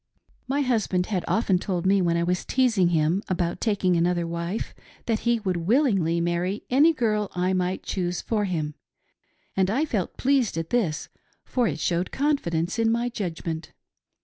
" My husband had often told me, when I was teasing him about taking another wife, that he would willingly marry any girl I might choose for him ; and I felt pleased at this for it showed confidence in my judgment.